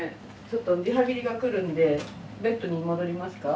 ちょっとリハビリが来るんでベッドに戻りますか？